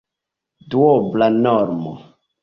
Duobla normo!